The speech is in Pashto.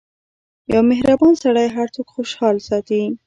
• یو مهربان سړی هر څوک خوشحال ساتي.